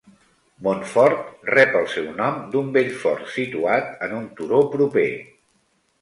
Montfort rep el seu nom d'un vell fort situat en un turó proper.